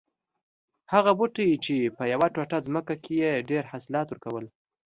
هغه بوټی چې په یوه ټوټه ځمکه کې یې ډېر حاصلات ور کول